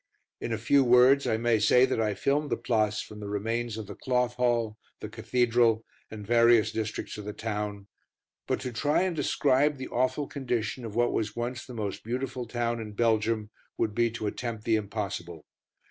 In a few words, I may say that I filmed the Place from the remains of the Cloth Hall, the Cathedral, and various districts of the town, but to try and describe the awful condition of what was once the most beautiful town in Belgium would be to attempt the impossible.